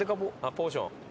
ポーション。